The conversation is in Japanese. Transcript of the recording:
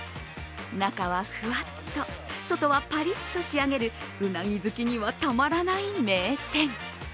中はふわっと、外はパリッと仕上げるうなぎ好きにはたまらない名店。